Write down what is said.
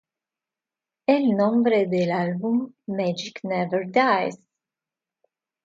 El nombre del álbum: "Magic Never Dies".